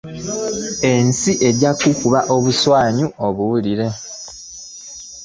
Ensi ejja kukukuba obuswanyu obuwulire.